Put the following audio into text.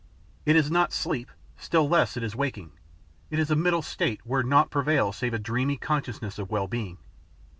It is not sleep, still less is it waking; it is a middle state where naught prevails save a dreamy consciousness of well being.